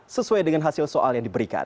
sesuai dengan hasil soal yang diberikan